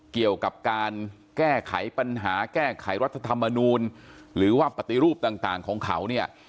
เกี่ยวกับการแก้ไขปัญหาแก้ไขรัฐธรรมนูลหรือว่าปฏิรูปต่างของเขาเนี่ย